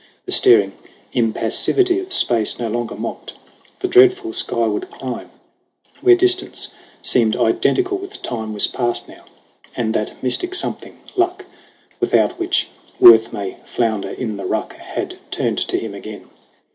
The staring impassivity of space No longer mocked ; the dreadful skyward climb, Where distance seemed identical with time, Was past now; and that mystic something, luck, Without which worth may flounder in the ruck, Had turned to him again.